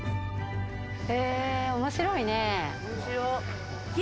へぇ、面白いね。